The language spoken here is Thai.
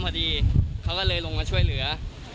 พอดีเขาก็เลยลงมาช่วยเหลือ